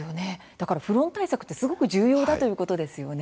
だからフロン対策ってすごく重要だということですよね。